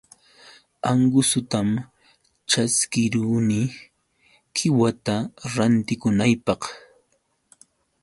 Anqusutam ćhaskiruni qiwata rantikunaypaq.